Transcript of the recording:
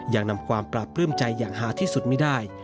ยังนำความปราบปลื้มใจอย่างหาที่สุดไม่ได้